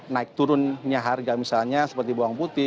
naik turunnya harga misalnya seperti bawang putih